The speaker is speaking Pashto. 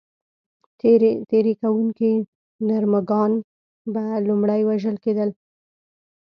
تېري کوونکي نر مږان به لومړی وژل کېدل.